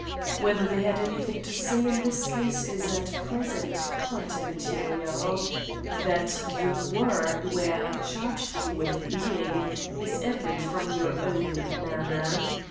"Whether they had anything to say in this case is at present quite immaterial. That you were where I charge you with being is evident from your own manner.